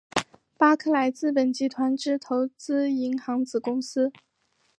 巴克莱资本集团之投资银行子公司。